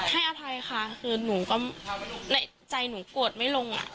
ให้อภัยค่ะในใจหนูกลวดไม่ลง